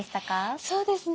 そうですね